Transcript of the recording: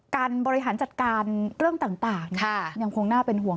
การบริหารจัดการเรื่องต่างยังคงน่าเป็นห่วง